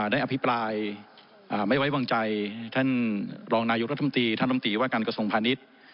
อภิปรายไม่ไว้วางใจท่านรองนายกรัฐมนตรีท่านลำตีว่าการกระทรวงพาณิชย์